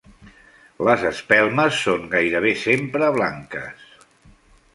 Les espelmes són gairebé sempre blanques.